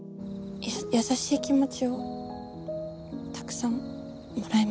や優しい気持ちをたくさんもらいました。